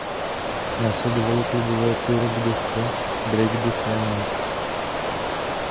Následovalo klubové tour k desce "Break The Silence".